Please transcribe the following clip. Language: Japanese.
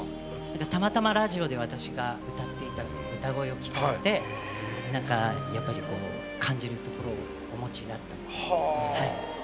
たまたまラジオで私が歌っていた歌声を聴かれてやっぱり、感じるところをお持ちになったみたいで。